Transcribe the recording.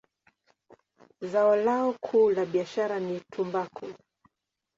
Zao lao kuu la biashara ni tumbaku.